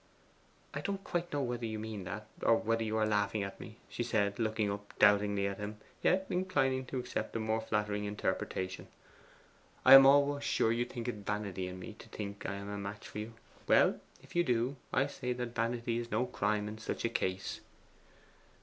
'I don't quite know whether you mean that, or whether you are laughing at me,' she said, looking doubtingly at him, yet inclining to accept the more flattering interpretation. 'I am almost sure you think it vanity in me to think I am a match for you. Well, if you do, I say that vanity is no crime in such a case.